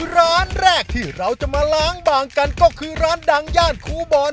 ร้านแรกที่เราจะมาล้างบางกันก็คือร้านดังย่านครูบอล